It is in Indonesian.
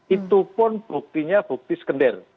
itu pun buktinya bukti skender